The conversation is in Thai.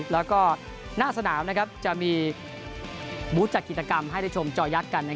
แล้วก็หน้าสนามจะมีบูธจัดกิจกรรมให้ได้ชมจอยักษ์กัน